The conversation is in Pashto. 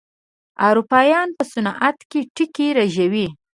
اروپايان په صنعت کې ټکي رژوي.